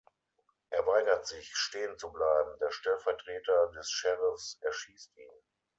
Er weigert sich, stehen zu bleiben. Der Stellvertreter des Sheriffs erschießt ihn.